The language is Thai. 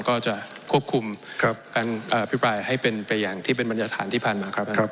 ก็จะควบคุมการอภิปรายให้เป็นไปอย่างที่เป็นบรรยาฐานที่ผ่านมาครับท่าน